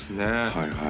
はいはい